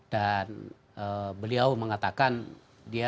dan beliau mengatakan dia